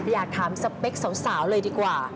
อยากถามสเปคสาวเลยดีกว่า